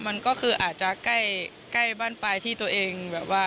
มันก็คืออาจจะใกล้บ้านปลายที่ตัวเองแบบว่า